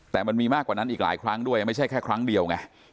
แต่มันมีมากกว่านั้นอีกหลายครั้งด้วยไม่ใช่แค่ครั้งเดียวไง